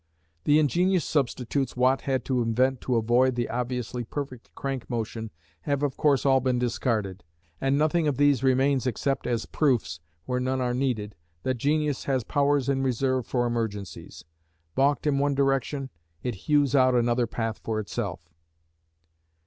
The ingenious substitutes Watt had to invent to avoid the obviously perfect crank motion have of course all been discarded, and nothing of these remains except as proofs, where none are needed, that genius has powers in reserve for emergencies; balked in one direction, it hews out another path for itself.